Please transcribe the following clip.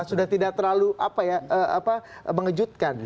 sudah tidak terlalu apa ya apa mengejutkan